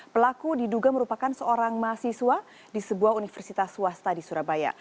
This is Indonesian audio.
pelaku diduga merupakan seorang mahasiswa di sebuah universitas swasta di surabaya